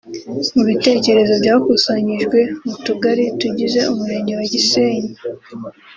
Mu bitekerezo byakusanijwe mu tugari tugize umurenge wa Gisenyi